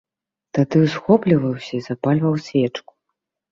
Тады ўсхопліваўся і запальваў свечку.